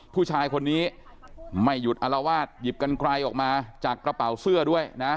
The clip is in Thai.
ผู้ชายคนนี้ไม่หยุดอารวาสหยิบกันไกลออกมาจากกระเป๋าเสื้อด้วยนะ